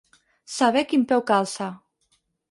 Saber quin peu calça.